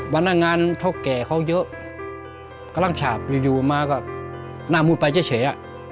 วันนั่งงานเท่าแก่เขาเยอะกำลังฉาบอยู่อยู่มากอะหน้ามืดไปเฉยเฉย